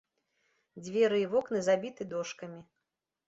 Дзверы і вокны забіты дошкамі.